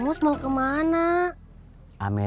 salus gue ga kees sekarang aja sih